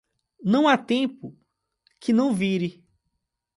Não há tempo que não vire.